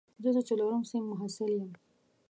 زه د څلورم صنف محصل یم